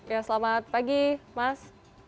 ya selamat pagi mas